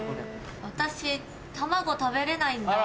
私卵食べれないんだ。